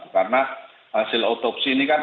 karena hasil otopsi ini kan